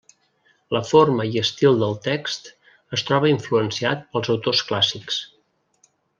La forma i estil del text es troba influenciat pels autors clàssics.